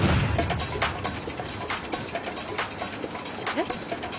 えっ？